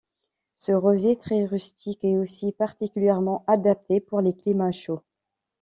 Ce rosier très rustique est aussi particulièrement adapté pour les climats chauds.